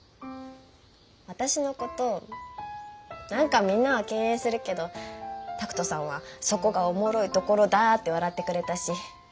私のことなんかみんなは敬遠するけど拓門さんは「そこがおもろいところだ！」って笑ってくれたし。